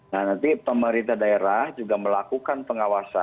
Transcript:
nah nanti pemerintah daerah juga melakukan pengawasan